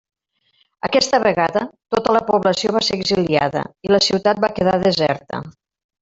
Aquesta vegada, tota la població va ser exiliada, i la ciutat va quedar deserta.